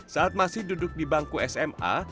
saat masih duduk di bangku sma